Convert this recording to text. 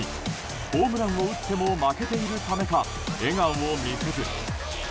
ホームランを打っても負けているためか笑顔を見せず。